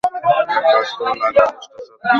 এক কাজ করো, লাগাও পোস্টার চারিদিকে।